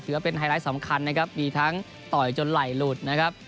ถือว่าเป็นไทยรัฐสำคัญนะครับมีทั้งต่อยจนไหล่หลุดนะครับ